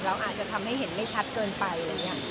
อาจจะทำให้เห็นไม่ชัดเกินไปอะไรอย่างนี้